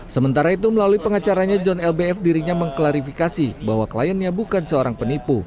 sementara itu melalui pengacaranya john lbf dirinya mengklarifikasi bahwa kliennya bukan seorang penipu